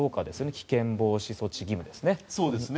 危険防止措置義務ですね。